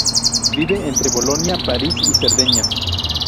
Vive entre Bolonia, París y Cerdeña.